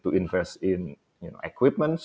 kita harus membeli peralatan